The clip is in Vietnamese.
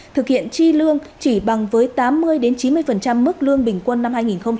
thực hiện chi lương chỉ bằng với tám mươi chín mươi mức lương bình quân năm hai nghìn hai mươi